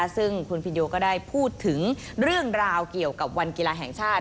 ซึ่งคุณพินโยก็ได้พูดถึงเรื่องราวเกี่ยวกับวันกีฬาแห่งชาติ